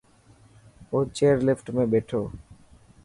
او چئر لفٽ ۾ ٻيٺو.